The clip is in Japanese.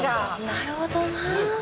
なるほどな。